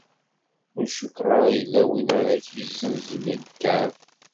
Ur cukkeɣ ara yella win ara k-yezzenzen ikɛeb.